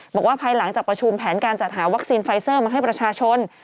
บอกว่าภายหลังจากประชุมแผนการจัดหาวัคซีนไฟเซอร์มาให้ประชาชน